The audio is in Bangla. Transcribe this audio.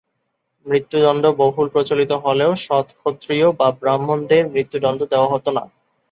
মৃত্যুদণ্ড বহুল প্রচলিত হলেও, সত-ক্ষত্রিয় বা ব্রাহ্মণদের মৃত্যুদণ্ড দেওয়া হত না।